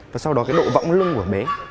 và sau đó cái độ võng lưng của bé